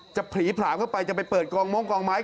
จะผีผลากเข้าไปจะไปเปิดมุงกองไม้